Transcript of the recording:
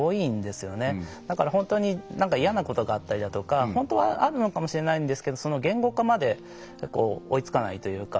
だから本当になんか嫌なことがあったりだとか本当はあるのかもしれないんですけど言語化まで追いつかないというか。